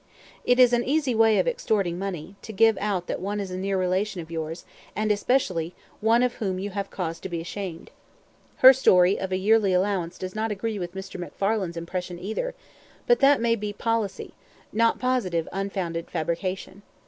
It is an easy way of extorting money, to give out that one is a near relation of yours, and especially one of whom you have cause to be ashamed. Her story of a yearly allowance does not agree with Mr. McFarlane's impression either; but that may be policy not positive unfounded fabrication.